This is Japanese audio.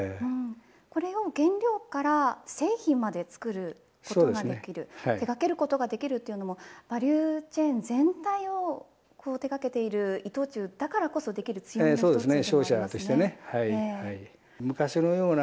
これは原料から製品まで作ることができる手掛けることができるというのもバリューチェーン全体を手掛けている伊藤忠だからこそできる強みといえるわけですね。